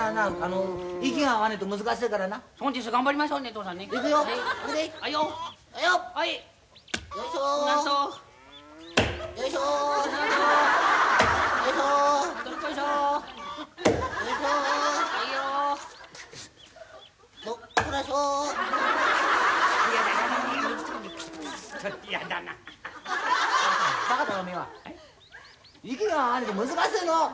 息が合わねえと難しいの！